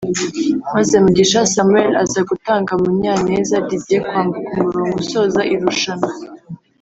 maze Mugisha Samuel aza gutanga Munyaneza Didier kwambuka umurongo usoza irushanwa